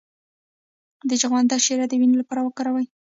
د چغندر شیره د وینې لپاره وکاروئ